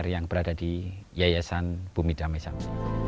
yang berada di yayasan bumi damai samsi